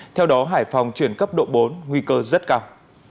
theo đó hải phòng chuyển cấp độ bốn nguy cơ rất cao